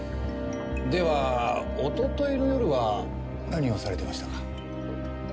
ではおとといの夜は何をされてましたか？